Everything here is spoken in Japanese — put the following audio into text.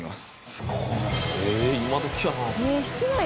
すごーい。